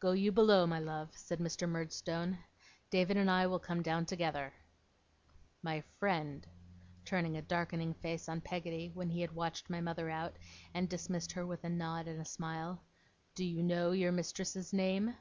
'Go you below, my love,' said Mr. Murdstone. 'David and I will come down, together. My friend,' turning a darkening face on Peggotty, when he had watched my mother out, and dismissed her with a nod and a smile; 'do you know your mistress's name?